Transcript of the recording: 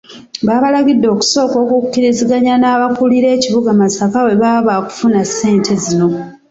Babalagide okusooka okukkiriziganya n'abakulira ekibuga Masaka bwe baba baakufuna ssente zino.